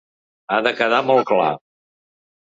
Ha de quedar molt clar.